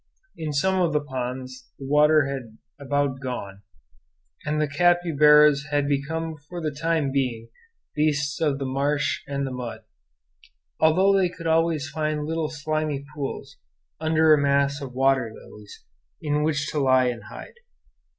In some of the ponds the water had about gone, and the capybaras had become for the time being beasts of the marsh and the mud; although they could always find little slimy pools, under a mass of water lilies, in which to lie and hide.